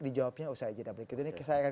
dijawabnya usaha jw saya akan